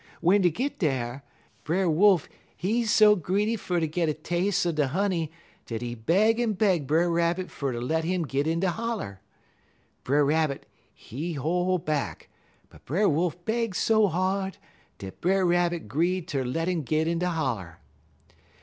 W'en dey git dar, Brer Wolf, he so greedy fer ter git a tas'e er de honey dat he beg en beg Brer Rabbit fer ter let 'im git in de holler. Brer Rabbit, he hol' back, but Brer Wolf beg so hard dat Brer Rabbit 'gree ter let 'im git in de holler.